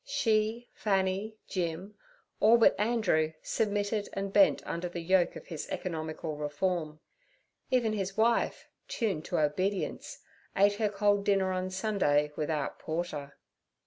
She, Fanny, Jim, all but Andrew, submitted and bent under the yoke of his economical reform. Even his wife—tuned to obedience—ate her cold dinner on Sunday without porter.